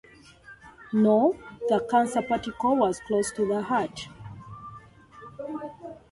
No, the cancer particle was close to the heart.